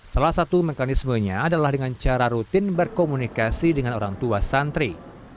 salah satu mekanismenya adalah dengan cara rutin berkomunikasi dengan orang tua santri